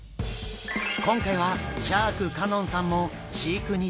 今回はシャーク香音さんも飼育に挑戦！